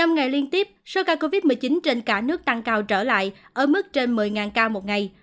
một mươi ngày liên tiếp số ca covid một mươi chín trên cả nước tăng cao trở lại ở mức trên một mươi ca một ngày